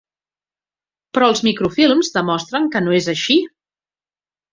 Però els microfilms demostren que no és així.